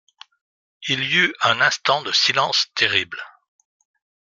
Il y eut un instant de silence terrible.